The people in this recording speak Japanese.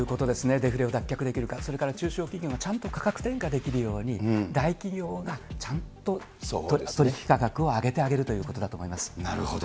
デフレを脱却できるか、それから中小企業がちゃんと価格転嫁できるように、大企業がちゃんと取り引き価格を上げてあげるということだと思いなるほど。